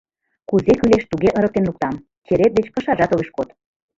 — Кузе кӱлеш, туге ырыктен луктам, черет деч кышажат огеш код.